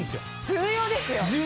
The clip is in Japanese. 重要ですよね！